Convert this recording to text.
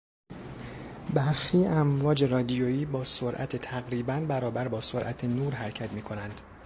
برخی امواج رادیویی با سرعت تقریبا برابر با سرعت نور حرکت میکنند.